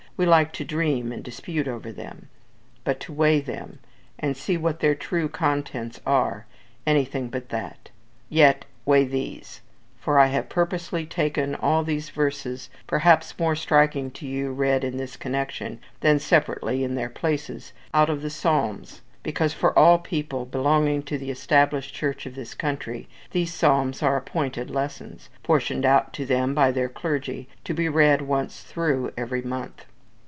We like to dream and dispute over them; but to weigh them, and see what their true contents are anything but that. Yet, weigh these; for I have purposely taken all these verses, perhaps more striking to you read in this connection, than separately in their places, out of the Psalms, because, for all people belonging to the Established Church of this country these Psalms are appointed lessons, portioned out to them by their clergy to be read once through every month.